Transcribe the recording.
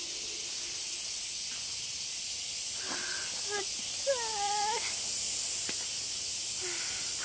暑い。